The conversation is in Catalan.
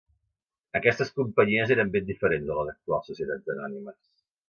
Aquestes companyies eren ben diferents de les actuals societats anònimes.